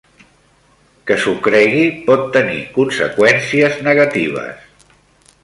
Que s'ho cregui pot tenir conseqüències negatives.